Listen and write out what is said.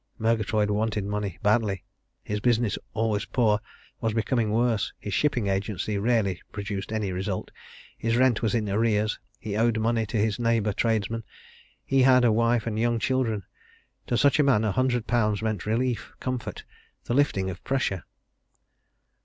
Murgatroyd wanted money badly. His business, always poor, was becoming worse: his shipping agency rarely produced any result: his rent was in arrears: he owed money to his neighbour tradesmen: he had a wife and young children. To such a man, a hundred pounds meant relief, comfort, the lifting of pressure.